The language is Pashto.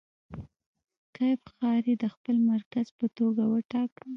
کیف ښاریې د خپل مرکز په توګه وټاکه.